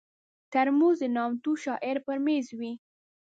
ترموز د نامتو شاعر پر مېز وي.